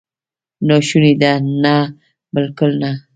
ناشونې ده؟ نه، بالکل نه!